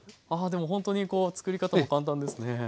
あでもほんとに作り方も簡単ですね。